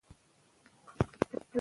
ازادي راډیو د روغتیا ستونزې راپور کړي.